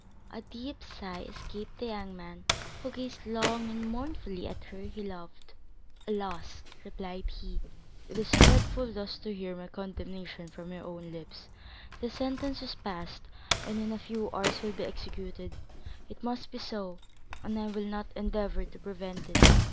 A deep sigh escaped the young man, who gazed long and mournfully at her he loved. "Alas," replied he, "it is dreadful thus to hear my condemnation from your own lips. The sentence is passed, and, in a few hours, will be executed; it must be so, and I will not endeavor to prevent it.